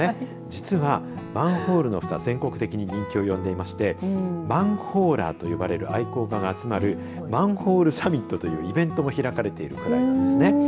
実はマンホールのふた全国的に人気を呼んでいましてマンホーラーと呼ばれるマンホーラーマンホールサミットというイベントも開かれているぐらいなんです。